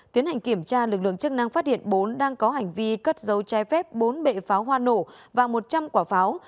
tiến hành kiểm tra lực lượng chức năng phát hiện bốn đang có hành vi cất dấu trai phép bốn bệ pháo hoa nổ và một trăm linh quả pháo